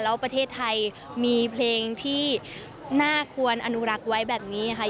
แล้วประเทศไทยมีเพลงที่น่าควรอนุรักษ์ไว้แบบนี้ค่ะ